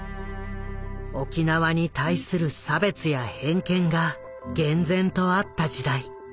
沖縄に対する差別や偏見が厳然とあった時代。